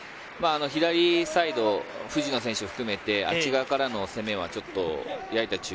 左サイド、藤野選手を含めてあっち側からの攻めは、ちょっと矢板